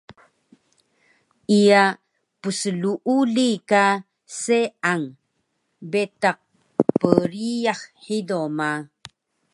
Iya psluuli ka seang betaq priyax hido ma